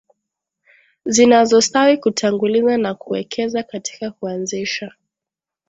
zinazostawi kutanguliza na kuwekeza katika kuanzisha